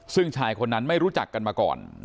ซึ่งชายคนนั้นไม่รู้จักกันมาก่อน